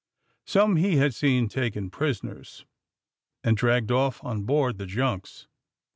Some he had seen taken prisoners, and dragged off on board the junks.